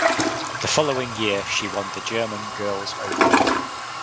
The following year she won the German Girls Open.